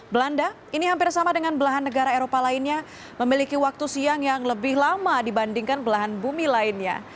belanda ini hampir sama dengan belahan negara eropa lainnya memiliki waktu siang yang lebih lama dibandingkan belahan bumi lainnya